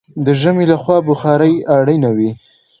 د ژمي له خوا بخارۍ اړینه وي.